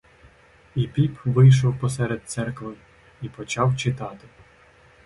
І піп вийшов посеред церкви і почав читати.